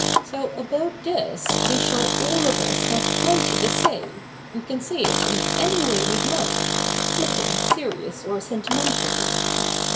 So about this we shall all of us have plenty to say, and can say it in any way we hke, flippant, serious, or sentimental.